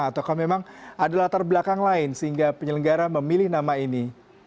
atau memang adalah terbelakang lain sehingga penyelenggara memilih nama ini